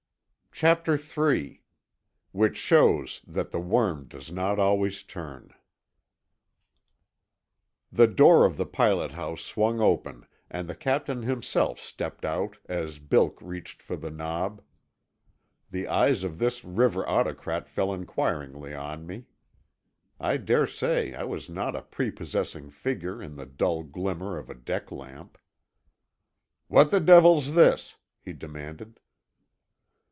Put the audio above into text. CHAPTER III—WHICH SHOWS THAT THE WORM DOES NOT ALWAYS TURN The door of the pilot house swung open and the captain himself stepped out as Bilk reached for the knob. The eyes of this river autocrat fell inquiringly on me. I daresay I was not a prepossessing figure in the dull glimmer of a deck lamp. "What the devil's this?" he demanded.